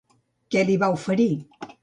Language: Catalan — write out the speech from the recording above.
Què li va oferir?